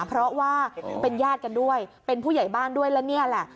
เพราะว่าเป็นญาติกันด้วยเป็นผู้ใหญ่บ้านด้วยและนี่แหละ